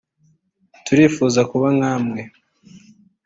turifuza kuba nka mwe